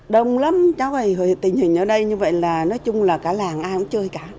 đông lắm cháu ấy tình hình ở đây như vậy là nói chung là cả làng ai cũng chơi cả